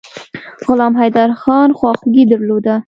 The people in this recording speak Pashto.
غلام حیدرخان خواخوږي درلوده.